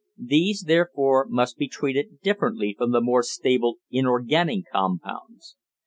These, therefore, must be treated differently from the more stable inorganic compounds.